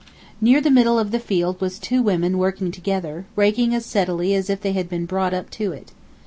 Near the middle of the field was two women working together, raking as steadily as if they had been brought up to it.